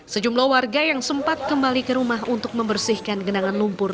sejumlah warga yang sempat kembali ke rumah untuk membersihkan genangan lumpur